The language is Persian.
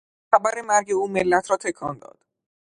خبر مرگ او ملت را تکان داد.